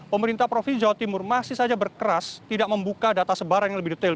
pemerintah provinsi jawa timur masih saja berkeras tidak membuka data sebaran yang lebih detail